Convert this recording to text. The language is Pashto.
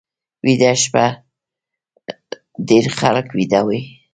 ویده شپه ډېر خلک ویده وي